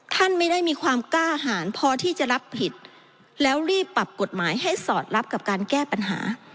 ท่านไม่ได้มีความกล้าหารพอที่จะรับผิดแล้วรีบปรับกฎหมายให้สอดรับกับการแก้ปัญหา